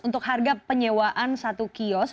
untuk harga penyewaan satu kios